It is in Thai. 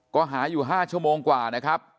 ก็หาอยู่๕ชั่วโมงกว่านะครับ